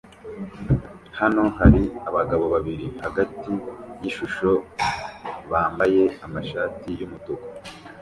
Hano hari abagabo babiri hagati yishusho bambaye amashati yumutuku